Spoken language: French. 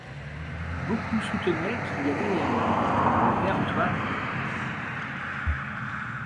Beaucoup soutenaient qu’il y avait erreur : «Le père Antoine !